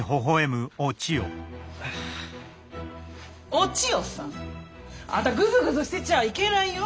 お千代さんあんたぐずぐずしてちゃあいけないよ。